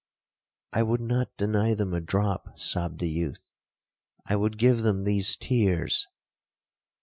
'—'I would not deny them a drop,' sobbed the youth, 'I would give them these tears.'